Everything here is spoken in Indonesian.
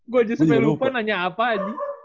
gue aja sampe lupa nanya apa aja